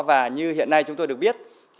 và như hiện nay chúng tôi được biết